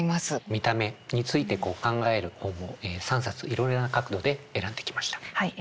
見た目について考える本を３冊いろいろな角度で選んできました。